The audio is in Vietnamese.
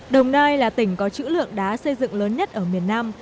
đồng nai là tỉnh có chữ lượng đá xây dựng lớn nhất ở miền nam